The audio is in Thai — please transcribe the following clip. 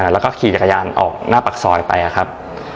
แล้วก็ขี่จักรยานออกหน้าปากซอยไปครับ